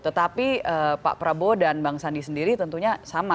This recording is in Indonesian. tetapi pak prabowo dan bang sandi sendiri tentunya sama